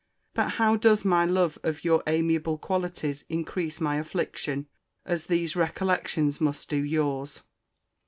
—But how does my love of your amiable qualities increase my affliction; as these recollections must do your's!